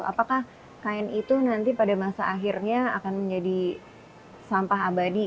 apakah kain itu nanti pada masa akhirnya akan menjadi sampah abadi